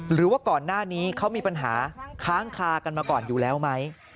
หรือว่าก่อนหน้านี้เขามีปัญหาค้างคากันมาก่อนอยู่แล้วไหม